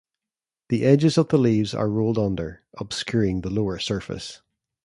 The edges of the leaves are rolled under obscuring the lower surface.